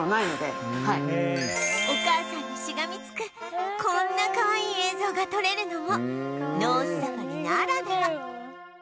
お母さんにしがみつくこんなかわいい映像が撮れるのもノースサファリならでは